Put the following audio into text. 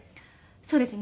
そうですね。